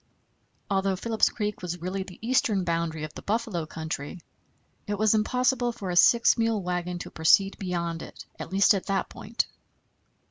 Although Phillips Creek was really the eastern boundary of the buffalo country, it was impossible for a six mule wagon to proceed beyond it, at least at that point.